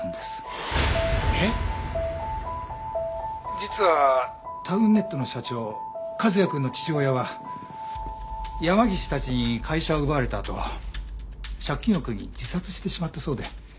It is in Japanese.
実はタウンネットの社長和也くんの父親は山岸たちに会社を奪われたあと借金を苦に自殺してしまったそうで。